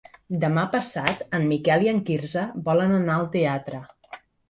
Demà passat en Miquel i en Quirze volen anar al teatre.